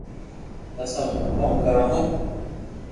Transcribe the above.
پسي اوتي ڪوم ڪرو ھون